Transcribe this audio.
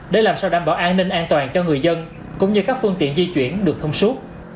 để làm sao đảm bảo an ninh an toàn cho người dân cũng như các phương tiện di chuyển được thông suốt